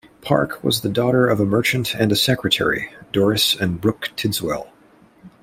Park was the daughter of a merchant and a secretary, Doris and Brooke Tidswell.